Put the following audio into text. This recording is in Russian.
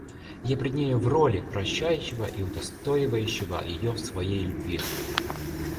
Я пред нею в роли прощающего и удостоивающего ее своей любви!..